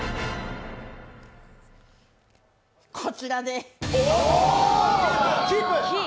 こちらで。